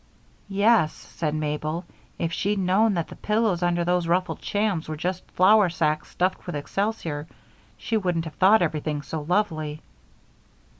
"Yes," said Mabel. "If she'd known that the pillows under those ruffled shams were just flour sacks stuffed with excelsior, she wouldn't have thought everything so lovely.